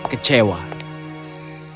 raling kecewa dengan menekan garisnya